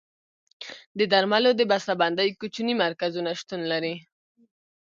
د درملو د بسته بندۍ کوچني مرکزونه شتون لري.